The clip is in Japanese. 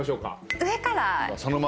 上から。